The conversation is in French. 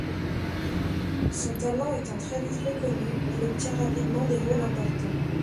Son talent étant très vite reconnu, il obtient rapidement des rôles importants.